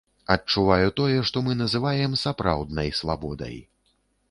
Адчуваю тое, што мы называем сапраўднай свабодай.